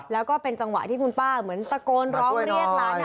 แล้วก็เป็นจังหวะที่คุณป้าเหมือนตะโกนร้องเรียกหลาน